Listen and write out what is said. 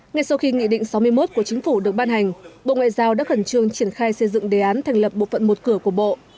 ngay sau khi nghị định sáu mươi một của chính phủ được ban hành bộ ngoại giao đã khẩn trương triển khai xây dựng đề án thành lập bộ phận một cửa của bộ